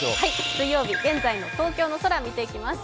水曜日、現在の東京の空を見ていきます。